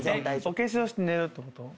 お化粧して寝るってこと？